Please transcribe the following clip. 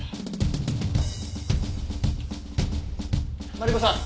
マリコさん。